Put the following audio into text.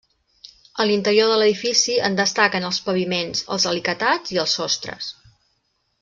A l'interior de l'edifici en destaquen els paviments, els alicatats i els sostres.